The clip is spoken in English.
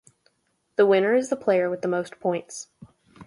The winner is the player with the most points.